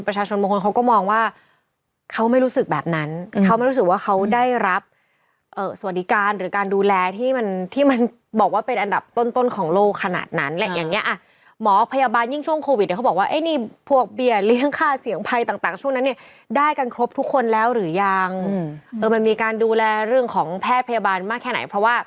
ประชาชนโมงคลเขาก็มองว่าเขาไม่รู้สึกแบบนั้น